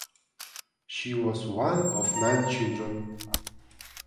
She was one of nine children.